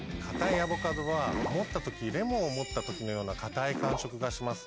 アボカドは持った時レモンを持った時のような硬い感触がします。